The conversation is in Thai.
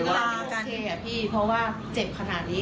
มันก็ได้โอเคเพราะว่าเจ็บขนาดนี้